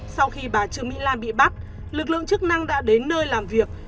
sau khi bà trương mỹ lan bị bắt lực lượng chức năng đã đến nơi làm việc